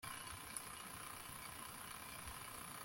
ntabwo ari njye jyenyine utekereza ko manzi atagomba kubikora